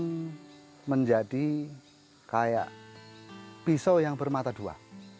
itu menjadi kayak pisau yang bermata dua